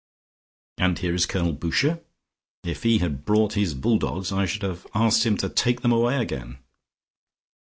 And here is Colonel Boucher. If he had brought his bull dogs, I should have asked him to take them away again.